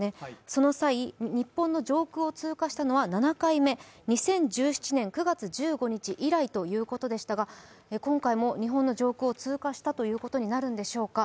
その際、日本の上空を通過したのは７回目、２０１７年９月１５日以来ということでしたが今回も日本の上空を通過したということになるんでしょうか。